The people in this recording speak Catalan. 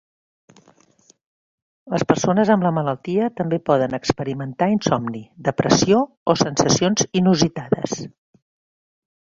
Les persones amb la malaltia també poden experimentar insomni, depressió o sensacions inusitades.